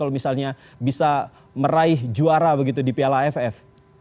kalau misalnya bisa meraih juara begitu di piala aff